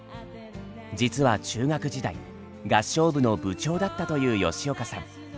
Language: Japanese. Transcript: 実は中学時代合唱部の部長だったという吉岡さん。